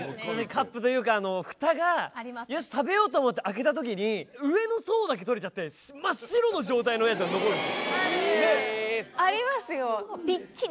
カップというか蓋がよし食べようと思って開けた時に上の層だけ取れちゃっての状態のやつが残るんですえありますよ